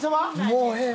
もうええ！